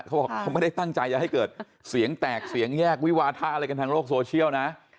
เขาบอกเขาไม่ได้ตั้งใจจะให้เกิดเสียงแตกเสียงแยกวิวาทะอะไรกันทางโลกโซเชียลนะ